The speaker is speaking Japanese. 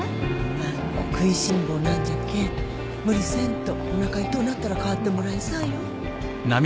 あんた食いしん坊なんじゃけぇ無理せんとおなか痛うなったら代わってもらいんさいよ。